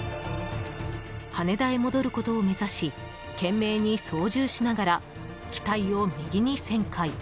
羽田へ戻ることを目指し懸命に操縦しながら機体を右に旋回。